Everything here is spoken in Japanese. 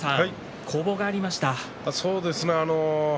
そうですね。